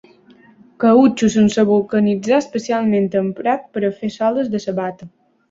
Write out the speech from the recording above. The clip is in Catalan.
Cautxú sense vulcanitzar, especialment emprat per a fer soles de sabata.